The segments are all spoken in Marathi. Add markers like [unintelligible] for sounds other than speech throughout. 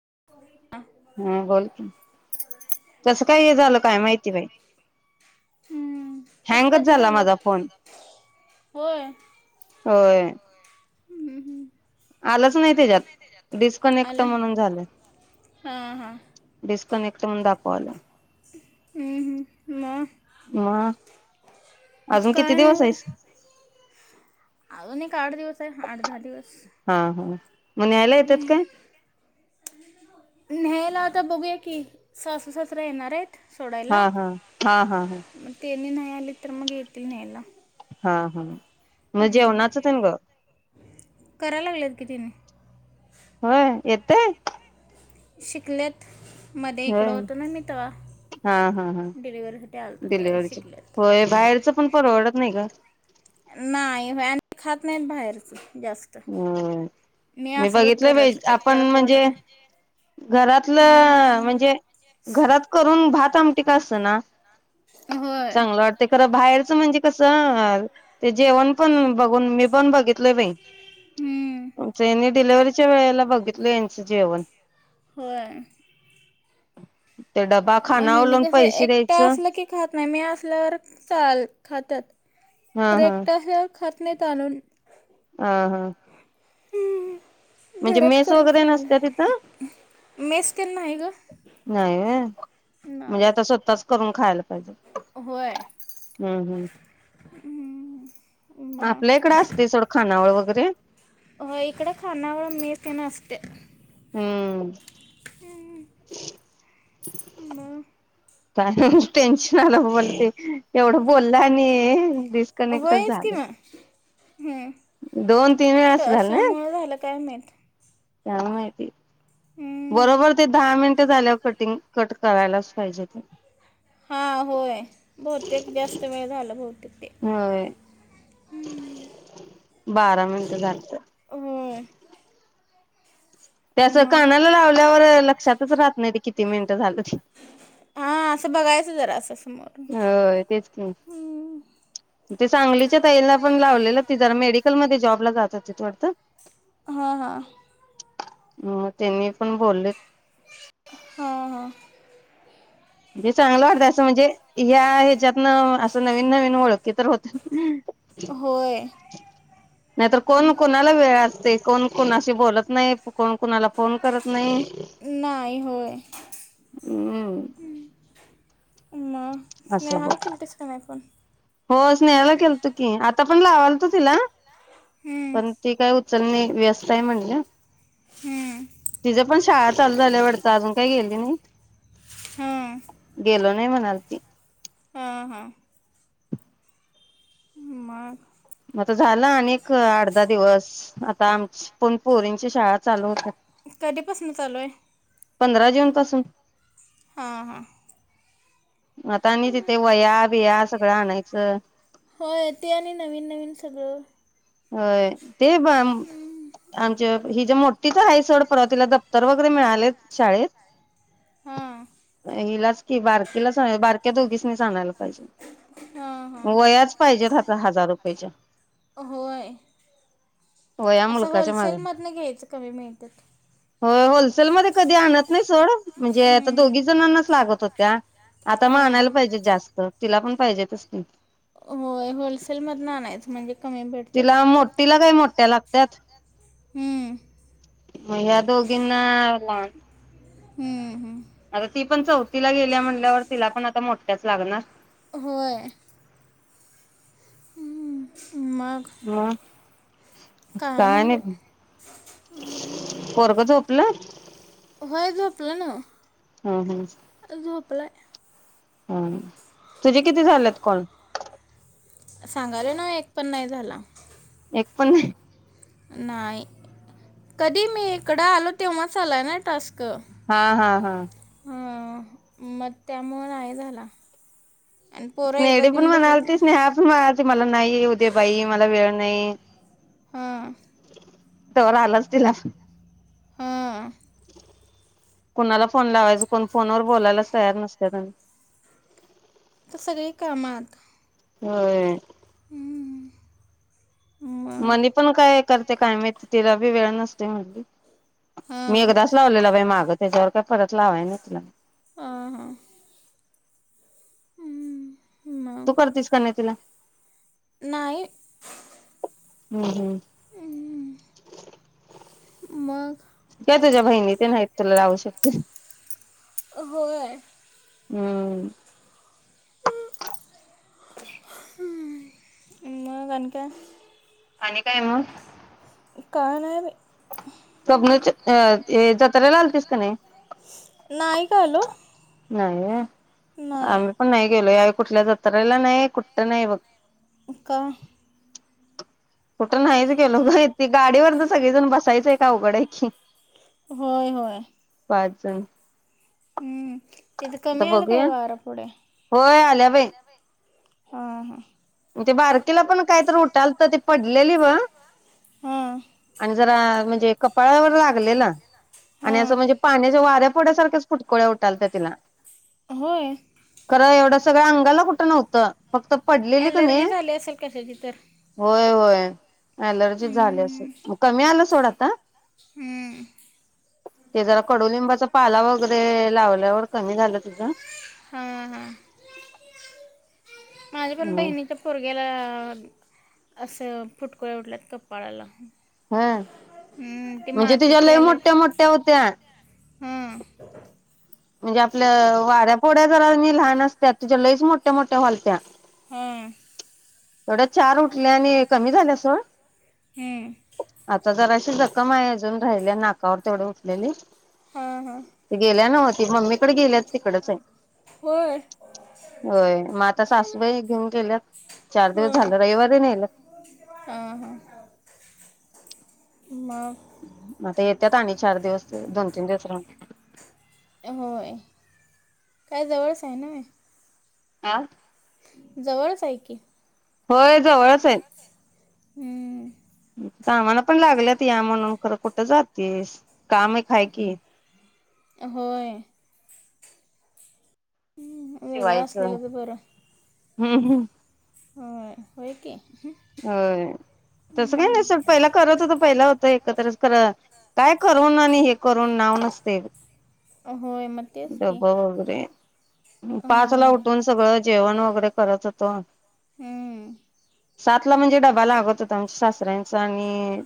[unintelligible] हा बोल की तस काय हे झालं काय माहिती बाई हम्म तसं का हँगच ते झाला झालं माझा फोन होय होय हम्म, हम्म. आलंच नाही त्याच्यात डिस्कनेक्ट आलं म्हणून झालं हां हां डिस्कनेक्ट म्हणून दाखवत कॉल ह ह मग मग अजून किती काय दिवस नाही आहेस अजून एक आठ दिवस आहे आठ दहा दिवस हा हा मग न्यायला येत्यात काय? न्यायला आता बघूया की सासू सासरा येणार आहेत. हा सोडायला हा हा हा हा मग त्यांनी नाही आलीत तर मग येतील न्यायला हा हा मग जेवणाच तेन ग कराय लागलेत की तेनि होय येतय शिकल्यात मध्ये इकडं होय होतं ना मी तेव्हा हा हा हा डिलिवरीसाठी आलतो त्यावेळेस डिलिव्हरीच शिकलेत होय बाहेरच पण परवडत नाही गं. नाही आणि खात नाहीत बाहेरचं जास्त हम् मी असलो बघितलोय बाई तरच आपण एकट्याला खाऊ म्हणजे वाटत नाही. घरातलं हम्म. म्हणजे घरात करून भात आमटी का असना होय. चांगलं वाटते खरं बाहेरचं म्हणजे कसं ते जेवण पण बघून मी पण बघितलय बाई हम्म. आमचं हेनी डिलिवरीच्या वेळेला बघितलं यांचं जेवण होय ते डबा म खानावर ह्यांनी लावून कसं पैसे एकटं द्यायचं असलं की खात नाही मी असल्यावर चाल खातात.. हा हा करेक्ट ह खात नाहीत आणून हा हा [unintelligible] म्हणजे घरात मेस करून वगैरे नसत्या खायला तिथं मेस तर नाही गं नाही होय म्हणजे आता नाही स्वतःच करून खायला होय. हम्म हम्म म आपल्या इकडं असते सोड खानावळ वगैरे होय इकडं खानावळ मेस तेन असत्या हम्म [inaudible] म टेन्शन आलं बोलते एवढं बोललं आणि...... डिस्कनेक्टच होयच की झालं मग हम्म. दोन तीन वेळा अस झालं. कशामुळं झालं काय माहीत. काय माहिती हम्म. बरोबर ते दहा मिनटं झाल्यावर कटिंग कट करायलाच पाहिजे ते हा होय बहुतेक जास्त वेळ झाला बहतेक होय बारा मिनटं झालतं होय ते असं मग कानाला लावल्यावर लक्षातच राहत नाही ते किती मिनट झालं. ते हा असं बघायचं जरा असं समोर होय तेच की ते सांगलीच्या ताईला पण लावलेलं ती जरा मेडिकलमध्ये जॉबला जात होतीत वाटतं. हा हा म त्यांनी पण बोलेत. हा हा हे चांगलं वाटतं असं म्हणजे या ह्याच्यातन असं नवीन नवीन ओळखी तर होत्यात. होय नाहीतर कोण कोणाला वेळ असतय कोण कोणाशी बोलत नाही कोण कुणाला फोन करत नई नाही होय हम्म म असं हो स्नेहाला केलतीस का नाही फोन? हो स्नेहाला केलतो की आता पण लावालतो तिला. हम्म पण ते काय उ त्यांनी व्यस्त हाय म्हणलं. हम्म तिज पण शाळा चालू झाल्या वाटतं अजून काय गेली नई. हां गेलो नाही म्हणालती. हा हा मग मग आता झालं आणिक आठ दहा दिवस. आत आता आमची पण पोरींची शाळा चालू हुत्या. कधीपसन चालूय? पंधरा जून पासून हा हा आता आणि तिथे वया बिया सगळं आणाय च होय ते आणि आणि नवीन नवीन सगळं. होय ते ब आम-आमच्या हिज्या मोठीच आहे सोड परवा तिला दफ्तर वगैरे मिळालेत शाळेत. हां अ हिलाच कि बारकीला साए बारक्या दोघीसनीच आणाय हां हां वयाच पाहिजेत हाता हजार रुपेच्या. होय असं मुलकाच्या मागे होलसेलमधन घ्यायचं कमी मिळत्यात. हो-होलसेलमध्ये कधी आणत नाही सोड. म्हणजे आता हम्म. दोघी जणांनाच लागत होत. त्या आता म हां आणायला पाहिजे जास्त. तिला पण पाहिजेतच की? होय होलसेल मधनं आणायचं‌ म्हणजे कमी भेटतात तिला मोटी काय? मोट त्या लागत्यात हुंम मग ह्या दोघींना ना हम्म हम्म आता ती पण चौथीला गेलीया म्हणल्यावर तिला पण आता मोठ्याच लागणार होय हम्म. मग काय नाय बाय पोरग झोपलं व्हय झोप तुला ना हा हो झोपलाय हां तुझे किती झाल्यात कॉल? सांगायलोय ना एक पण नाय झाला एक पण नाही नाही कधी मी इकडं आलो तेव्हाच आलाय नाय टास्क हां हां हां हा मग त्यामुळ नाही झाला. आणि पोरं एकदा स्नेहडी पण घेऊन बसले म्हणालती स्नेहाच म्हणा ती मला न नाही उद्या बाई मला वेळ नाही हा तवर आलाच तिला हं कुणाला फोन लावायचा कोण फोनवर बोलायलाच तयार नसत्यात आणि तर सगळी कामात व्हय हं मणी पण काय करते काय माहिती तिला बी वेळ नसतोय म्हणली. मी हां एकदाच लावलेला बाई माग त्याच्यावर काय परत लावाय नाय तिला अ हं तू करतीस काय नाय तिला? नायी हम् हम् मग? काय तुझ्या बहिणी ते न आहेत तुला लावू शकते होय हम् हं मग आण काय आणि काय मग काय नाय बाई [unintelligible] च्या अ ते जत्रला आलतीस का नाय नाही का आलो नाय व्ह नाही आम्ही पण नाही गेलोय कुठल्या जत्रेला नाही कुठं नाही बघ होका कुठंच नाहीच गेलो गं ते गाडीवर सगळीजण बसायचं अवघड आहे की होय होय पाच जण हम्म. तिथं आता कमी आलं बघूया काय वारं होय आल्या बाई हा हा म्ह तेे बारकीेला पण काय तर उठालत ती पडलेली बगं हां आणि जर त्या म्हणजे कपाळावर लागलेला आणि असं हां म्हणजे पाण्याच्या वाऱ्या फोड्यासारख्याच फुटकोळ्या उठालत्या तिला होय खर एवढं सगळ अंगाला कुठं नव्हतं फक्त पडली अँलर्जी झाली असेल कशाची तर होय होय अँलर्जी झाली असलं हम्म. मग कमी आलं स सोड आता हम्म. ते जरा कडुलिंबाचा पाला वगैरे लावल्यावर कमी झालं तिचं हां हां माझ्या पण बहिणीच्या पोरग्या गेला असं फुटकोळ्या उठल्यात कपाळाला हा हम्म, ते म्हणजे माती तुझ्या लय केल्यात मोठ्या मोठ्या होत्या हां म्हणजे आपल्या वाऱ्या फोड्या जरा नी लहान असत्यात तिच्या लईच मोठ्या मोठ्या झालत्या हा तेवढ्या चार उठल्या आणि कमी झाल्या सोड हम्म, आता जराशी जखम आहे अजून राहिल्या नाकावर तेवढी उठलेली हा हा ते गेल्या नव्ह ती मम्मीकडे गेल्यात तिकडच आहे होय मग आता सासूबाई घेऊन गेल्यात चार दिवस हां झालतं रविवारी नेल्यात म आता येत्यात आणि चार दिवस दोन तीन दिवस राहू होय काय जवळच हाय नाय आं जवळच हाय की होय जवळच आहे. हम्म आम्हाला पण लागल्यात या म्हणून खरं कुठं जातीस काम एक हाय की होय हं वेगळ शिवायचं असलेलंच बरं. हम्म हम होय-होय की हम्म, होय तसं काय नाही सोड पहिला करत होतो. पहिला होत एकत्रच खरं काय करून आणि हे करून नाव नसतय. होय मग तेच की डब वगैरे पाच ला होय उठून सगळं जेवण वगैरे [unintelligible] होतो. हम्म सात ला म्हणजे डबा लागत होता आम सासऱ्यांचा आणि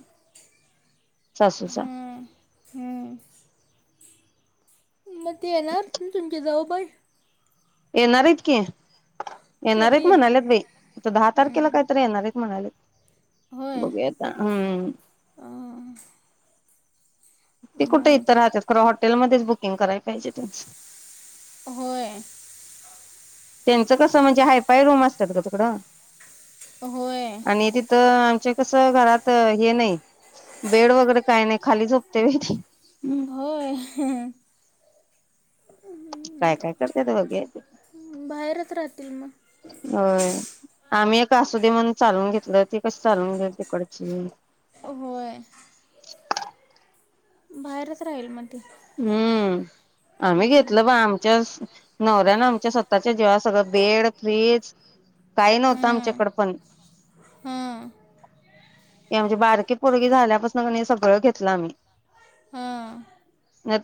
सासूचा हां हम्म. मग ते येणार तुम-तुमच्या जाऊबाई येणार हाईत की येणार हायत कधी म्हणालेत बाई आता दहा तारखेला हम्म. कायतरी येणार आहेत म्हणालेत. होय बघूया आता अहम्म अं, ती कुठे इथं मग राहत्यात परवा हॉटेलमध्येच बुक बुकिंग करायला पाहिजे त्यांच होय त्यांचं कसं म्हणजे हायफाय रूम अस होय [unintelligible] आणि तिथं अ तस घरात हे नाही. बेड वगैरे काय नाही खाली झोप [unintelligible] होय काय काय करते ते बघूया की बाहेरच राहतील मग होय आम्ही एक असु दे म्हणून चालवून घेतो. गावती कस चालवून घ्यायची? तिकडची होय बाहेरच राहील म्हण. हम्म आम्ही घेतलं बा आमच्या नवऱ्यान आमच्या स्वतः जेव्हा सगळं बेड फ्रीज काही नव्हतं हं, आमच्याकड पण हं, या म्हणजे बारकीे पोरगी झाल्यापसन कणी सगळं घेतलं आम्ही. हां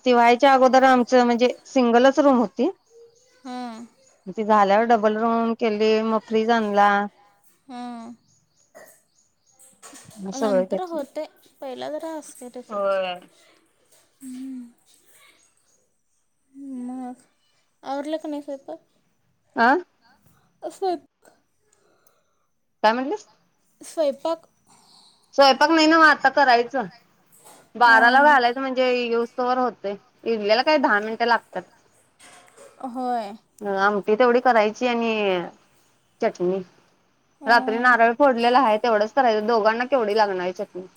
ते व्हायच्या अगोदर आमचं म्हणजे सिंगलच रूम होती हं, ते झाल्यावर डबल रूम केली मग फ्रिज आणला हम मग [inaudible] [inaudible] सगळं नंतर घेतलं. होतंय पहिला जरा [unintelligible] होय. हम् [inaudible] मग आवरला का नाही स्वयंपाक. आ.. अ स्वयंपा काय म्हणलीस? स्वयंपाक स्वयंपाक नाही नव्हं आता करायचं बाराला ला घालायचं दाराला म्हणजे येवू तोवर होतंय इडल्याला काय दहा मिनिटं ते लागतात लागत नाही. होय [inaudible] आम ती तेवढी करायची? आणि चटणी रात्री नारळ ह फोडलेला आहे तेवढंच करायचं दोघांना तेवढी लागणारी चटणी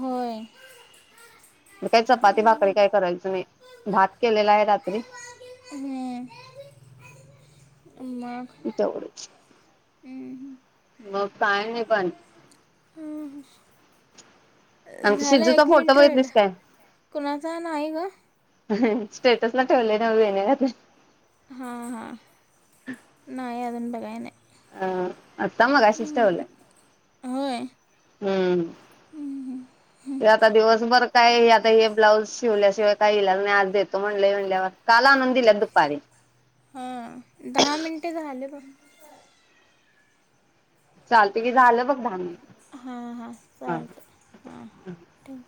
होय [inaudible] काय चपाती भाकरी काय करायचं नाही भात केलेला आहे रात्री‌. हम्म मग तेवढच हम्म मग काय नाही पण हम्म आमच्या झालं शिजूचा एक फोटो मिनिट राहिल बघितलीस काय? [unintelligible] कुणाचा नाही ग? [unintelligible] स्टेटसला ठेवलय नव्हं वेण्या घात हा हा नाही अजून बघाय नाही अ आता मघाशीच ठेवलं होय हम्म ते आता दिवसभर काय आता हे ब्लाउज शिवल्याशिवाय काय इलाज नाही आज देतो म्हणलं म्हणल्यावर काल आणून दिल्यात दुपारी. हं दहा मिनटे झालीत [unintelligible] चालत की झालं बघ दहा मिनिटं हां हां चालतं हां हा-हा ठीक